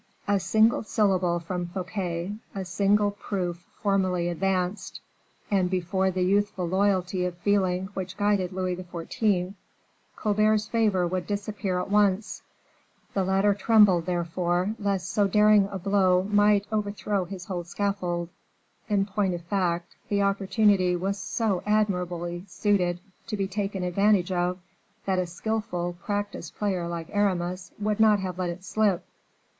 A single syllable from Fouquet, a single proof formally advanced, and before the youthful loyalty of feeling which guided Louis XIV., Colbert's favor would disappear at once; the latter trembled, therefore, lest so daring a blow might overthrow his whole scaffold; in point of fact, the opportunity was so admirably suited to be taken advantage of, that a skillful, practiced player like Aramis would not have let it slip.